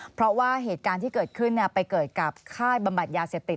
เพราะว่าเหตุการณ์ที่เกิดขึ้นไปเกิดกับค่ายบำบัดยาเสพติด